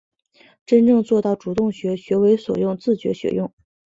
真正做到主动学、学为所用、自觉学用